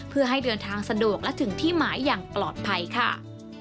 เพื่อให้เดินทางสะดวกและถึงที่หมายอย่างปลอดภัยค่ะ